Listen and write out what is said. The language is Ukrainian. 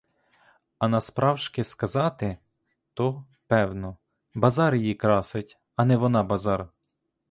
А насправжки сказати, то, певно, базар її красить, а не вона базар.